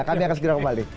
kami akan segera kembali